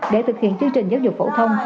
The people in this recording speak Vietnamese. để thực hiện chương trình giáo dục phổ thông